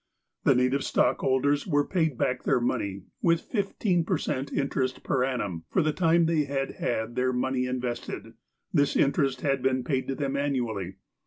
The native stockholders were paid back their money, with fifteen per cent, interest per annum for the time they had had their money invested. This interest had been paid to them annually.